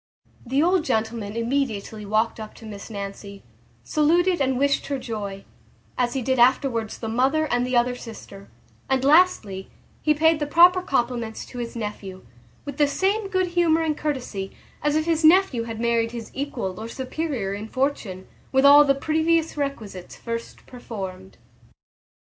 The old gentleman immediately walked up to Miss Nancy, saluted and wished her joy, as he did afterwards the mother and the other sister; and lastly, he paid the proper compliments to his nephew, with the same good humour and courtesy, as if his nephew had married his equal or superior in fortune, with all the previous requisites first performed.